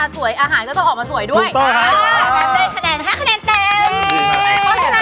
เสร็จแล้วค่ะ